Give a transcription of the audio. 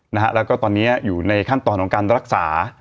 นะฮะแล้วก็ตอนนี้อยู่ในขั้นตอนของการรักษา